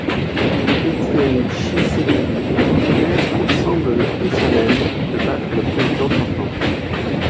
Étienne Tshisekedi, populaire, semble le plus à même de battre le président sortant.